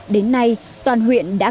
đến nay toàn huyện đã